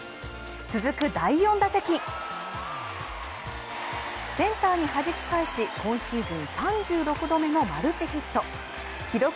続く第４打席センターにはじき返し今シーズン３６度目のマルチヒット記録